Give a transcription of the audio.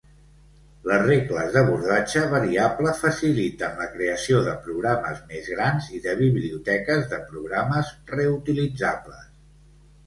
Les regles d'abordatge variable faciliten la creació de programes més grans i de biblioteques de programes reutilitzables.